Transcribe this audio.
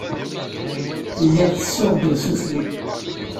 Lliɣ ttessuɣ-d usuten.